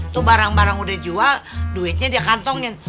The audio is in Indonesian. tuh barang barang udah jual duitnya dia kantongin